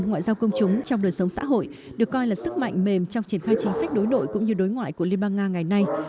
ngoại giao công chúng trong đời sống xã hội được coi là sức mạnh mềm trong triển khai chính sách đối nội cũng như đối ngoại của liên bang nga ngày nay